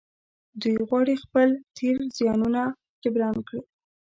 دوی غواړي خپل تېر زيانونه جبران کړي.